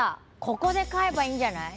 ここで飼えばいいんじゃない？